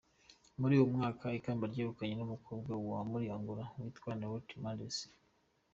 Muri uwo mwaka ikamba ryegukanwe n’umukobwa wo muri Angola witwa Neurite Mendes.